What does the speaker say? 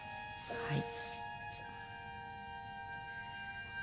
はい。